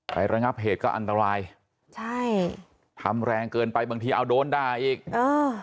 ระงับเหตุก็อันตรายใช่ทำแรงเกินไปบางทีเอาโดนด่าอีกเออ